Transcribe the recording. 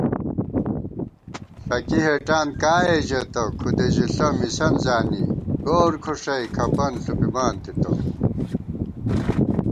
ݪَکی ہېڄان کائے ژېتہ کھُدے ژِݪہ مِسَن زانی گور کھݭَوَئی کھپن ݪُپِمان تِتہ